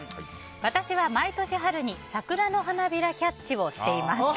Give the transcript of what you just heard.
私は、毎年春に桜の花びらキャッチをしています。